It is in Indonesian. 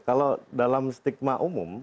kalau dalam stigma umum